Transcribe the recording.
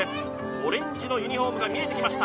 オレンジのユニフォームが見えてきました